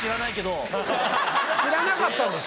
知らなかったんですか？